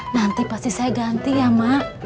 nanti pasti saya ganti ya mak